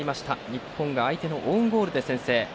日本が相手のオウンゴールで先制。